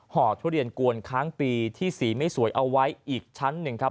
ห่อทุเรียนกวนค้างปีที่สีไม่สวยเอาไว้อีกชั้นหนึ่งครับ